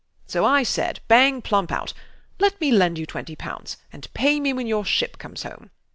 So I said, bang plump out, "Let me lend you twenty pounds, and pay me when your ship comes home."